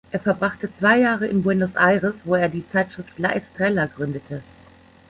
Er verbrachte zwei Jahre in Buenos Aires, wo er die Zeitschrift "La Estrella" gründete.